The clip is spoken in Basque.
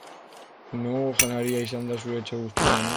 Nongo janaria izan da zuretzat gustukoena?